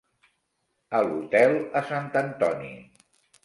A l'hotel a Sant Antoni.